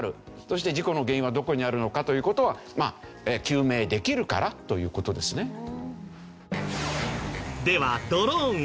そして事故の原因はどこにあるのかという事を究明できるからという事ですね。